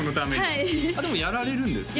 はいあっでもやられるんですね